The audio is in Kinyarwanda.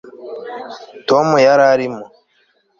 Tom yari arimo